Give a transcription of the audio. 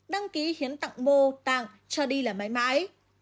đăng ký hiến tạng mô tạng cho đi là mãi mãi